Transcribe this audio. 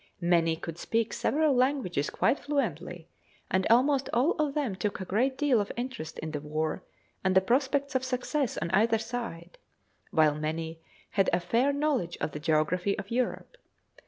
Many could speak several languages quite fluently, and almost all of them took a good deal of interest in the war, and the prospects of success on either side; while many had a fair knowledge of the geography of Europe.